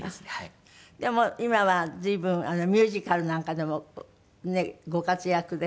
でも今は随分ミュージカルなんかでもねご活躍で。